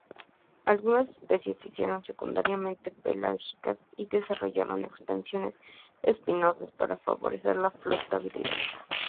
Algunas especies se hicieron secundariamente pelágicas y desarrollaron expansiones espinosas para favorecer la flotabilidad.